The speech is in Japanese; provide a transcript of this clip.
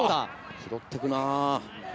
拾って行くな。